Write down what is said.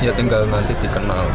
ya tinggal nanti dikenal